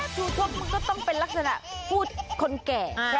ทูตมันก็ต้องเป็นลักษณะพูดคนแก่